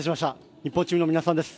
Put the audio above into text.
日本チームの皆さんです。